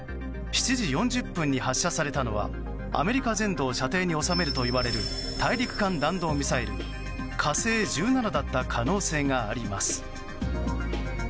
７時４０分に発射されたのはアメリカ全土を射程に収めるといわれる大陸間弾道ミサイル「火星１７」だった可能性があります。